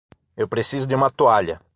Eu preciso de uma toalha.